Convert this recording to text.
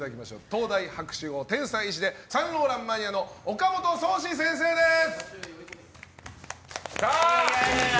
東大博士号の天才医師でサンローランマニアの岡本宗史先生です！